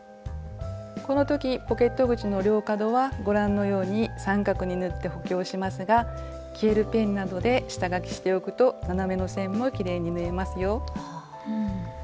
この時ポケット口の両角はご覧のように三角に縫って補強しますが消えるペンなどで下書きしておくと斜めの線もきれいに縫えますよ。